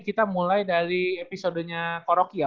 kita mulai dari episodenya korokia